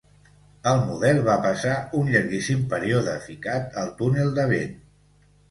El model va passar un llarguíssim període ficat al túnel de vent.